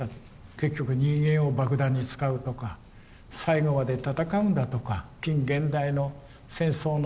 結局人間を爆弾に使うとか最後まで戦うんだとか近現代の戦争の約束